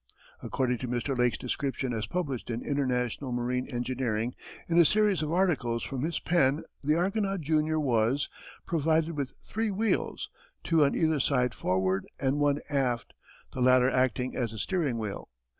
_ According to Mr. Lake's description as published in International Marine Engineering in a series of articles from his pen the Argonaut, Jr., was provided with three wheels, two on either side forward and one aft, the latter acting as a steering wheel.